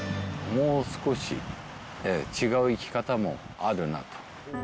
もう少し違う生き方もあるなと。